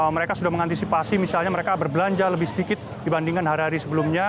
mereka sudah mengantisipasi misalnya mereka berbelanja lebih sedikit dibandingkan hari hari sebelumnya